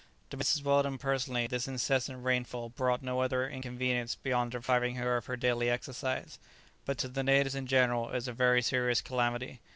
To Mrs. Weldon personally this incessant rainfall brought no other inconvenience beyond depriving her of her daily exercise, but to the natives in general it was a very serious calamity.